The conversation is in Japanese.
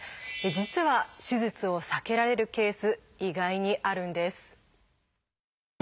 実は手術を避けられるケース意外にあるんです。